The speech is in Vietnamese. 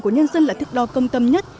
của nhân dân là thức đo công tâm nhất